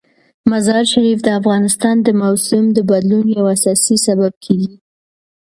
مزارشریف د افغانستان د موسم د بدلون یو اساسي سبب کېږي.